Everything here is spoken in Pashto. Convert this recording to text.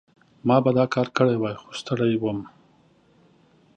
ما به دا کار کړی وای، خو ستړی وم.